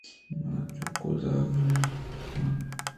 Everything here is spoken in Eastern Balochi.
منی چُک/زهگ انُو کَسان اِنت